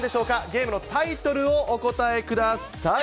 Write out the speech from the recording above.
ゲームのタイトルをお答えください。